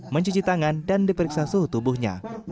mencuci tangan dan diperiksa suhu tubuhnya